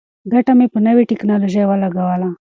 ګټه مې په نوې ټیکنالوژۍ ولګوله.